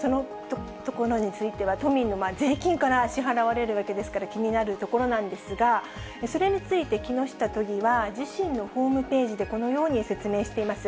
そのところについては、都民の税金から支払われるわけですから気になるところなんですが、それについて木下都議は、自身のホームページで、このように説明しています。